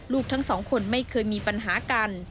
ลูกทั้งสองคนไม่เคยมีปัญหากัน